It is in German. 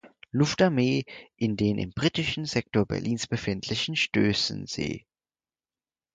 Luftarmee in den im britischen Sektor Berlins befindlichen Stößensee.